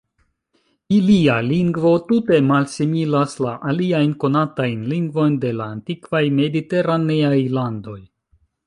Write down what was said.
Ilia lingvo tute malsimilas la aliajn konatajn lingvojn de la antikvaj mediteraneaj landoj.